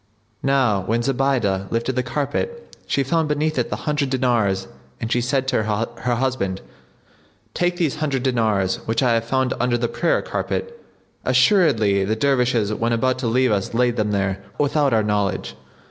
Now when Zubaydah lifted the carpet she found beneath it the hundred dinars and she said to her husband, "Take these hundred dinars which I have found under the prayer carpet; assuredly the Dervishes when about to leave us laid them there, without our knowledge."